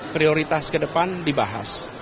prioritas ke depan dibahas